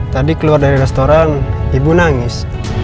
tadi keluar dari restoran ibu nangis